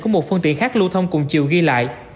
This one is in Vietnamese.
của một phương tiện khác lưu thông cùng chiều ghi lại